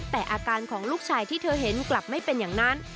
แต่อาการของลูกชายที่เธอเห็นกลับไม่เป็นอย่างนั้น